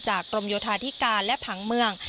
กรมโยธาธิการและผังเมือง